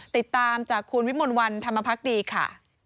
ติดตามจากคุณวิมลวันธรรมพักดีค่ะ